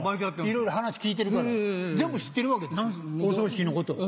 いろいろ話聞いてるから全部知ってるわけですお葬式のことを。